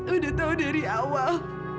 udah tahu dari awal